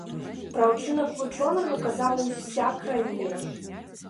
Пра ўчынак вучонага казала ўся краіна.